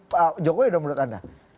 pak jokowi dong menurut anda